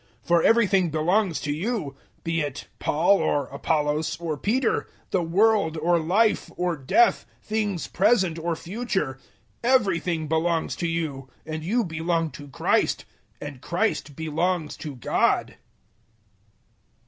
003:022 For everything belongs to you be it Paul or Apollos or Peter, the world or life or death, things present or future everything belongs to you; 003:023 and you belong to Christ, and Christ belongs to God.